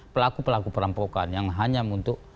pelaku pelaku perampokan yang hanya untuk